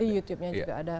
di youtube juga ada